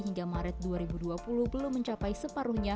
hingga maret dua ribu dua puluh belum mencapai separuhnya